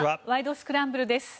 スクランブル」です。